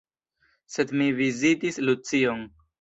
Sed mi vizitis Lucion.